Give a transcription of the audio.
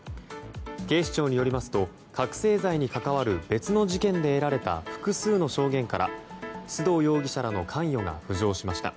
警視庁によりますと覚醒剤に関わる別の事件で得られた複数の証言から須藤容疑者らの関与が浮上しました。